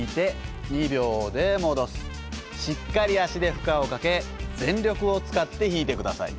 しっかり足で負荷をかけ全力を使って引いて下さい。